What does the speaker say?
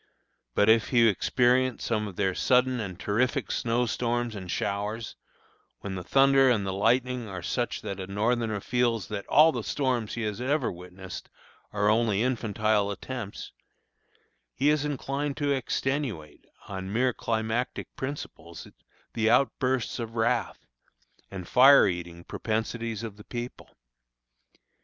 But if he experience some of their sudden and terrific snow storms and showers, when the thunder and the lightning are such that a Northerner feels that all the storms he has ever witnessed are only infantile attempts, he is inclined to extenuate, on mere climactic principles, the outbursts of wrath, and "fire eating" propensities of the people.